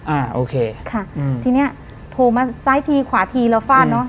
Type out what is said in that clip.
อ่าโอเคค่ะอืมทีเนี้ยโผล่มาซ้ายทีขวาทีเราฟาดเนอะ